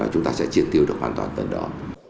chúng ta sẽ triển tiêu được hoàn toàn tận đó